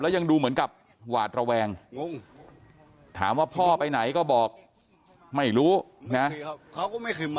ยังดูเหมือนกับหวาดระแวงถามว่าพ่อไปไหนก็บอกไม่รู้นะ